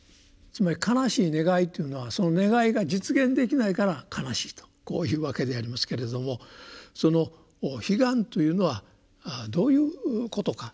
つまり悲しい願いというのはその願いが実現できないから悲しいとこういうわけでありますけれどもその「悲願」というのはどういうことか。